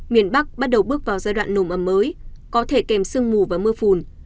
miền bắc bắt đầu bước vào giai đoạn nồm ẩm mới có thể kèm sương mù và mưa phùn